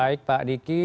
baik pak diki